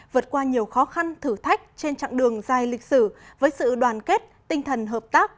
vượt qua nhiều khó khăn thử thách trên chặng đường dài lịch sử với sự đoàn kết tinh thần hợp tác